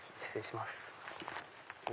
失礼します。